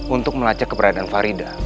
untuk melacak keberadaan faridah